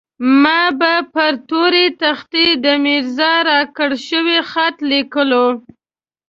ما به پر توره تخته د ميرزا راکړل شوی خط ليکلو.